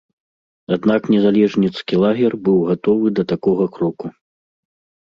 Аднак незалежніцкі лагер быў гатовы да такога кроку.